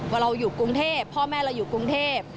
พอเราอยู่กรุงเทพเพราะพ่อแม่อยู่กรุงเทพ